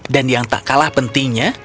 dan yang tak kalah pentingnya